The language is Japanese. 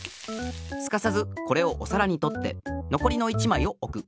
すかさずこれをおさらにとってのこりの１まいをおく。